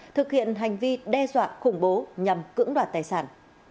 thực hiện hành vi đe dọa khủng bố nhằm cưỡng đoạt tài sản